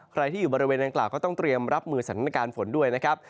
ใครที่อยู่บริเวณดังกล่าวก็ต้องเตรียมรับมือสถานการณ์ฝนด้วยนะครับ